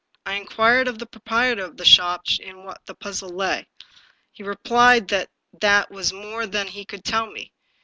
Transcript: I inquired of the proprietor of the shop in what the puzzle lay. He replied that that was more than he could tell me.